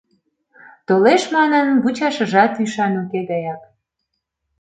Толеш манын, вучашыжат ӱшан уке гаяк.